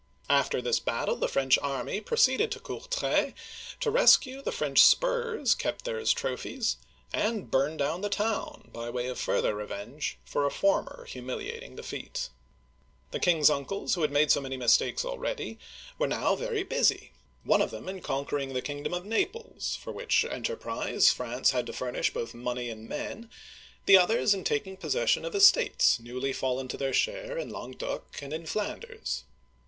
After this battle the French army proceeded tD Courtrai, to rescue the French spurs kept there as trophies, and burn down the town, by way of further revenge for a former humiliating defeat (see page 141). The king's uncles, who had made so many mistakes al ready, were now very busy, one of them in conquering the kingdom of Naples, — for which enterprise France had to furnish both money and men, — the others in taking pos session of estates newly fallen to their share in Languedoc and in Flanders.